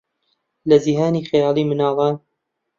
لە جیهانی خەیاڵیی منداڵان